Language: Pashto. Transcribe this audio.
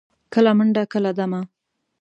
کله منډه، کله دمه.